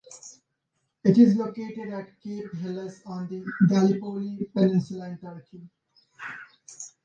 It is located at Cape Helles on the Gallipoli peninsula in Turkey.